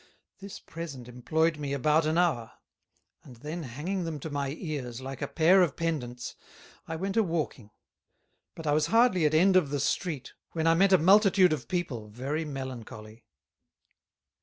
This Present employed me about an hour; and then hanging them to my Ears, like a pair of Pendants, I went a Walking; but I was hardly at End of the Street when I met a Multitude of People very Melancholy.